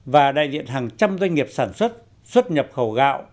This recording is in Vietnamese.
và đại diện hàng trăm doanh nghiệp sản xuất xuất nhập khẩu gạo